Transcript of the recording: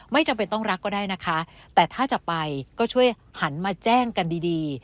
จำเป็นต้องรักก็ได้นะคะแต่ถ้าจะไปก็ช่วยหันมาแจ้งกันดีดี